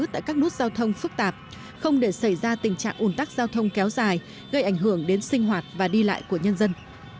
tại các nút giao thông phức tạp không để xảy ra tình trạng ủn tắc giao thông kéo dài gây ảnh hưởng đến sinh hoạt và đi lại của nhân dân